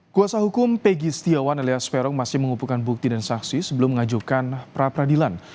kuasa hukum pegi setiawan alias vero masih mengumpulkan bukti dan saksi sebelum mengajukan pra peradilan